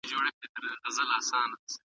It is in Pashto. که وده رامنځته سي پرمختیا هم شونې ده.